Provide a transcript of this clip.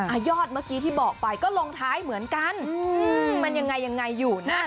อ่ายอดเมื่อกี้ที่บอกไปก็ลงท้ายเหมือนกันมันยังไงอยู่นะ